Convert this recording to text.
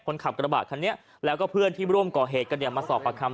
คนขับกระบาดคันนี้แล้วก็เพื่อนที่ร่วมก่อเหตุกันเนี่ยมาสอบประคำ